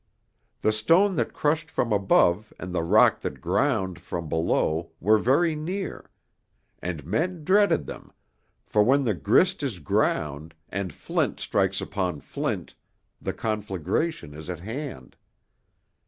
The stone that crushed from above and the rock that ground from below were very near, and men dreaded them, for when the grist is ground, and flint strikes upon flint, the conflagration is at hand.